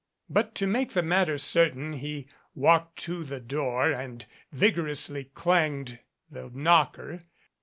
But to make the matter certain he walked to the door and vigorously clanged the knocker.